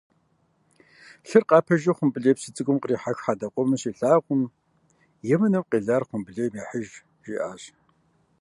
Лъыр къапыжу Хъумбылей псы цӀыкӀум кърихьэх хьэдэ къомыр щалъагъум «Емынэм къелар хъумбылейм ехьыж» жаӏащ.